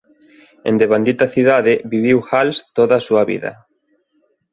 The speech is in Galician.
En devandita cidade viviu Hals toda a súa vida.